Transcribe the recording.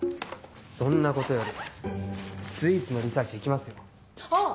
そんなことよりスイーツのリサーチ行きますよ。